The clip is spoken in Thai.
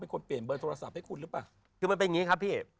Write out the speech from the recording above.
เป็นคนเปลี่ยนเบอร์โทรศัพท์ให้คุณหรือเปล่าคือมันเป็นอย่างนี้ครับพี่เอก